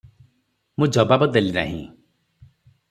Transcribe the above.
ମୁଁ ଜବାବ ଦେଲି ନାହିଁ ।